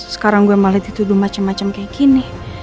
sekarang gue malah dituduh macam macam kayak gini